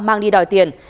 hoàng đi đòi tiền